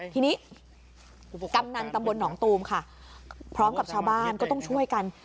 ทีนี้กำนันตำบลหนองตูมค่ะพร้อมกับชาวบ้านก็ต้องช่วยกัน